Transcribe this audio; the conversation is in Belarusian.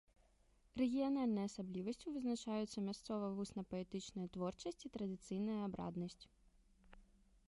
Рэгіянальнай асаблівасцю вызначаюцца мясцовая вусна-паэтычная творчасць і традыцыйная абраднасць.